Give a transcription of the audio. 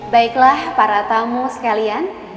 baiklah para tamu sekalian